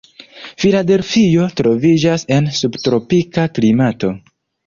Filadelfio troviĝas en subtropika klimato.